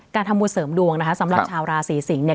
การทำบุญเสริมดวงนะคะสำหรับชาวราศีสิงศ์เนี่ย